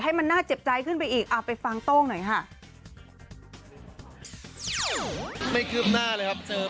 ให้มันน่าเจ็บใจขึ้นไปอีกเอาไปฟังโต้งหน่อยค่ะ